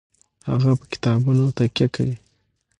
هغه په کتابونو تکیه کوي.